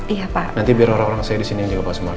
iya pak nanti biar orang orang saya disini juga pak sumarno